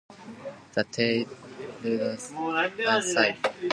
The tail rudders and side stabilizers were operated by air pressure.